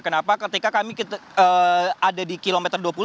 kenapa ketika kami ada di kilometer dua puluh